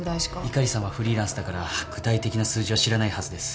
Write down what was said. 碇さんはフリーランスだから具体的な数字は知らないはずです。